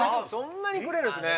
そんなにくれるんですね